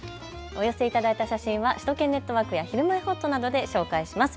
お寄せいただいた写真は首都圏ネットワークやひるまえほっとなどで紹介します。